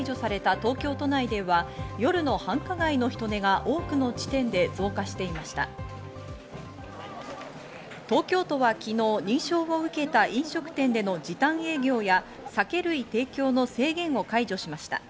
東京都は昨日、認証を受けた飲食店での時短営業や酒類提供の制限を解除しました。